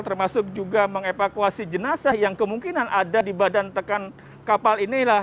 termasuk juga mengevakuasi jenazah yang kemungkinan ada di badan tekan kapal inilah